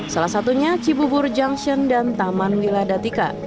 salah satunya cibubur junction dan taman wiladatika